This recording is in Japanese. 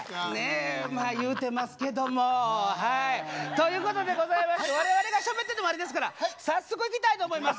まあ言うてますけども。ということでございまして我々がしゃべっててもあれですから早速いきたいと思います。